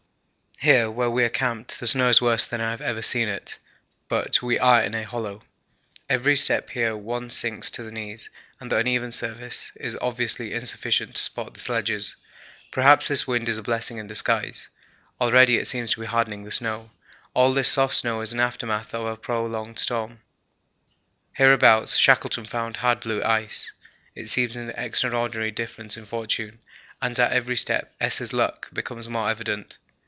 Here where we are camped the snow is worse than I have ever seen it, but we are in a hollow. Every step here one sinks to the knees and the uneven surface is obviously insufficient to support the sledges. Perhaps this wind is a blessing in disguise, already it seems to be hardening the snow. All this soft snow is an aftermath of our prolonged storm. Hereabouts Shackleton found hard blue ice. It seems an extraordinary difference in fortune, and at every step S.'s luck becomes more evident.